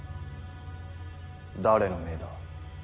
誰の命だ？